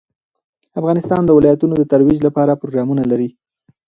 افغانستان د ولایتونو د ترویج لپاره پروګرامونه لري.